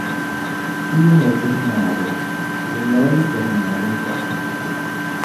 ti yi nya suhumaabo, di nyɛla yi suhumaabo zuɣu.